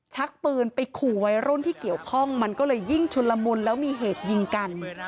ชักปืนไปขู่วัยรุ่นที่เกี่ยวข้องมันก็เลยยิ่งชุนละมุนแล้วมีเหตุยิงกัน